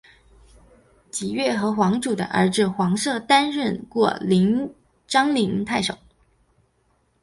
蒯越和黄祖的儿子黄射担任过章陵太守。